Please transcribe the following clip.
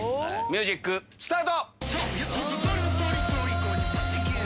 ミュージックスタート！